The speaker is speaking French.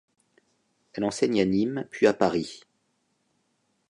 Elle enseigne à Nîmes puis à Paris.